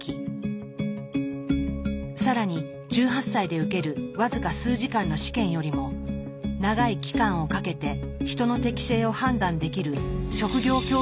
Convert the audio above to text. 更に１８歳で受ける僅か数時間の試験よりも長い期間をかけて人の適性を判断できる職業教育の方が民主的だといいます。